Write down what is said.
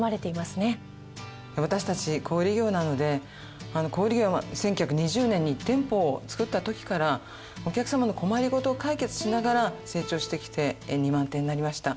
私たち小売業なので小売業１９２０年に店舗を作った時からお客様の困り事を解決しながら成長してきて２万店になりました。